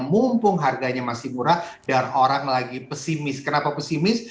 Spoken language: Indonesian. mumpung harganya masih murah dan orang lagi pesimis kenapa pesimis